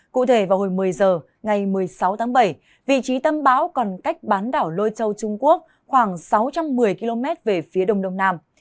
cụ thể vào hồi một mươi h ngày một mươi sáu tháng bảy vị trí tâm bão còn cách bán đảo lôi châu trung quốc khoảng sáu trăm một mươi km về phía đông đông nam